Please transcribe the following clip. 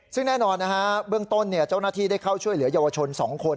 ซึ่งแน่นอนนะฮะเบื้องต้นเจ้าหน้าที่ได้เข้าช่วยเหลือเยาวชน๒คน